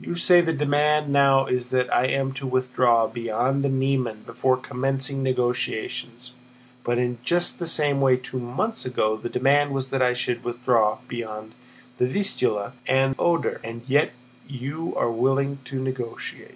"You say the demand now is that I am to withdraw beyond the Niemen before commencing negotiations, but in just the same way two months ago the demand was that I should withdraw beyond the Vistula and the Oder, and yet you are willing to negotiate."